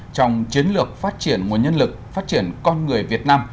trong chiến lược phát triển nguồn nhân lực phát triển con người việt nam